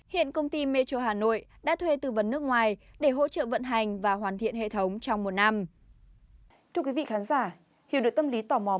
hiện công ty metro hà nội đã thuê tư vấn nước ngoài để hỗ trợ vận hành và hoàn thiện hệ thống trong một năm